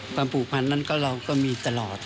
ความผูกพันธุ์นั้นเราก็มีตลอด